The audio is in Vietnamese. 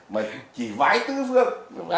mà chỉ biết là không biết địa chỉ chỗ nào